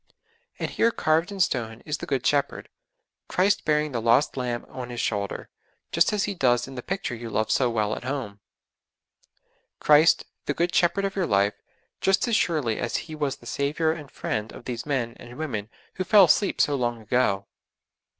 And here carved in stone, is the Good Shepherd, Christ bearing the lost lamb on His shoulder, just as He does in the picture you love so well at home; Christ, the Good Shepherd of your life, just as surely as He was the Saviour and Friend of these men and women who fell asleep so long ago!